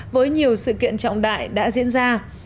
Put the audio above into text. với nhiều sự kiện trọng đại đã diễn ra